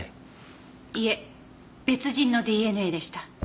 いえ別人のＤＮＡでした。